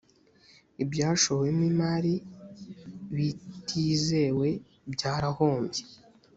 ibyashowemo imari bitizewe byarahombye.